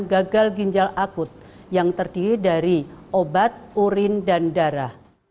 gagal ginjal akut yang terdiri dari obat urin dan darah